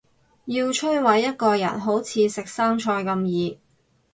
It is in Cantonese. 要摧毁一個人好似食生菜咁易